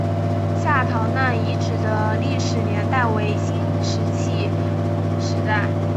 下堂那遗址的历史年代为新石器时代。